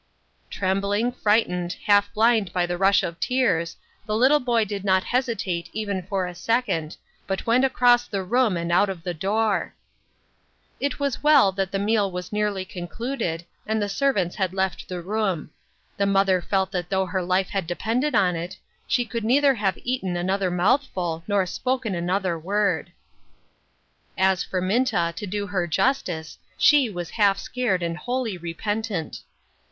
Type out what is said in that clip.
Trembling, frightened, half blinded by the rush of tears, the little boy did not hesitate even for a second, but went across the room and out of the door. It was well that the meal was nearly concluded, and the servants had left the room. The mother felt that though her life had depended on it, she could neither have eaten another mouthful nor spoken another word. " \V. C. T. U. 137 As for Minta, to do her justice, she was half scared and wholly repentant.